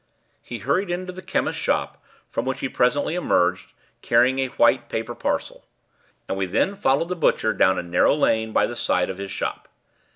He hurried into the chemist's shop, from which he presently emerged, carrying a white paper parcel; and we then followed the butcher down a narrow lane by the side of his shop.